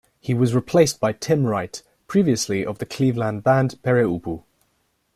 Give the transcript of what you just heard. He was replaced by Tim Wright, previously of the Cleveland band Pere Ubu.